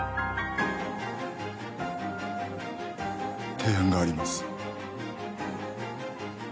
提案があります。